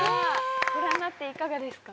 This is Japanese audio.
ご覧になっていかがですか？